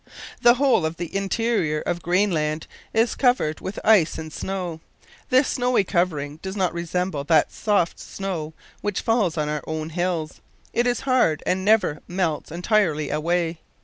The whole of the interior of Greenland is covered with ice and snow. This snowy covering does not resemble that soft snow which falls on our own hills. It is hard, and never melts entirely away.